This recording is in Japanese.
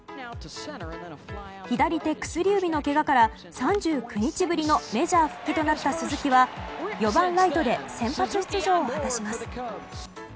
左手薬指のけがから３９日ぶりのメジャー復帰となった鈴木は４番ライトで先発出場を果たします。